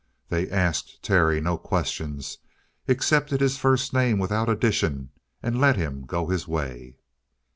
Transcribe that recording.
They asked Terry no questions, accepted his first name without an addition, and let him go his way.